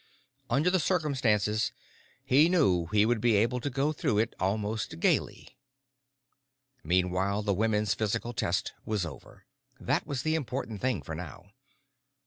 Under the circumstances, he knew he would be able to go through it almost gaily. Meanwhile, the women's physical test was over. That was the important thing for now.